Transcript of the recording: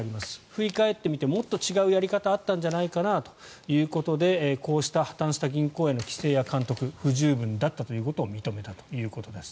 振り返ってみてもっと違うやり方があったんじゃないかなということでこうした破たんした銀行への規制や監督が不十分だったということを認めたということです。